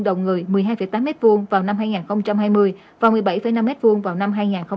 đồng người một mươi hai tám m hai vào năm hai nghìn hai mươi và một mươi bảy năm m hai vào năm hai nghìn hai mươi